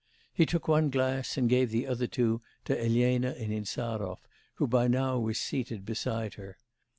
He took one glass, and gave the other two to Elena and Insarov, who by now was seated beside her.